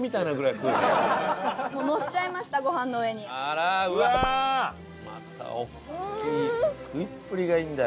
食いっぷりがいいんだよ。